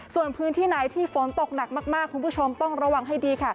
ส่วนพื้นที่ไหนที่ฝนตกหนักมากคุณผู้ชมต้องระวังให้ดีค่ะ